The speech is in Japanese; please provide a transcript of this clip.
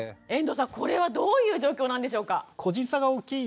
これはどういう状況なんでしょうか？